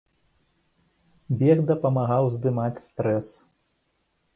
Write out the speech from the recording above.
Бег дапамагаў здымаць стрэс.